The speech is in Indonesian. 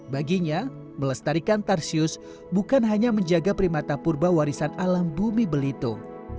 baginya melestarikan tarsius bukan hanya menjaga primata purba warisan alam bumi belitung